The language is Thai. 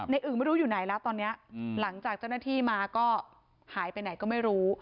อึ่งไม่รู้อยู่ไหนแล้วตอนนี้หลังจากเจ้าหน้าที่มาก็หายไปไหนก็ไม่รู้